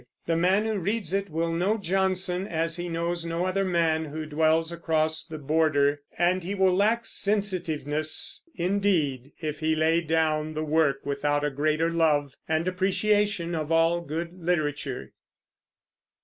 The man who reads it will know Johnson as he knows no other man who dwells across the border; and he will lack sensitiveness, indeed, if he lay down the work without a greater love and appreciation of all good literature.